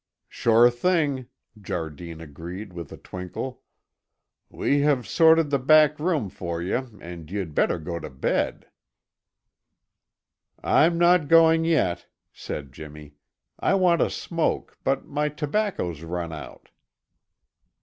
"Sure thing," Jardine agreed with a twinkle. "We have sortit the bit back room for ye and ye had better go to bed." "I'm not going yet," said Jimmy. "I want a smoke, but my tobacco's run out."